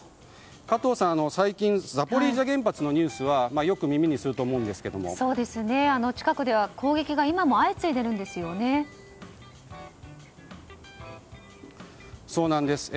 加藤さん、最近ザポリージャ原発のニュースは近くでは攻撃が今も相次いでいるんですよね。